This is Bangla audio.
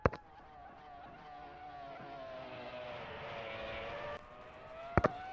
আমিও ঐ কথাই ভাবছিলুম।